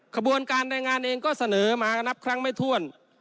ขบวนการแรงงานเองก็เสนอมานับครั้งไม่ถ้วน